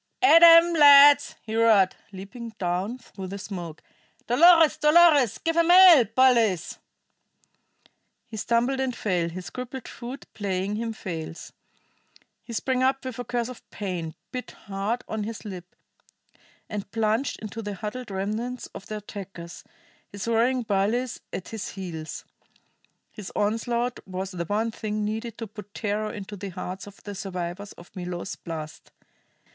"At 'em, lads!" he roared, leaping down through the smoke. "Dolores, Dolores! Give 'em hell, bullies!" He stumbled and fell, his crippled foot playing him false. He sprang up with a curse of pain, bit hard on his lip, and plunged into the huddled remnants of the attackers, his roaring bullies at his heels. His onslaught was the one thing needed to put terror into the hearts of the survivors of Milo's blast.